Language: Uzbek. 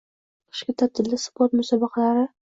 Qishki ta’tilda sport musobaqalari